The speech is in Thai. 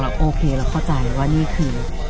โอเคเราเข้าใจว่านี่คือ